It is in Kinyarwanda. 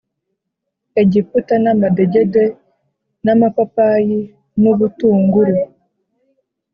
Egiputa n amadegede n amapapayi n ubutunguru